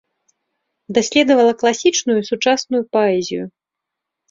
Даследавала класічную і сучасную паэзію.